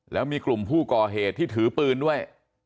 แล้วมีกลุ่มผู้ก่อเหตุที่ถือปืนด้วย